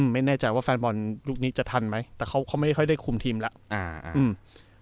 ไม่แน่ใจว่าแฟนบอลยุคนี้จะทันไหมแต่เขาไม่ได้คุมทีมแล้ว